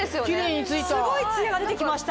すごいツヤが出てきました。